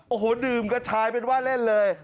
โอ้โหดื่มกระชายเป็นว่าเล่นเลย